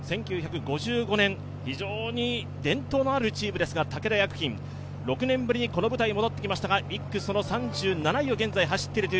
１９５５年、非常に伝統のあるチームですが、武田薬品６年ぶりにこの舞台に戻ってきました。